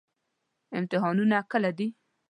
امتحانونه کله دي؟